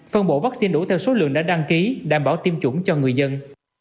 phân bổ vaccine đủ theo số lượng đã đăng ký đảm bảo tiêm chủng cho người dân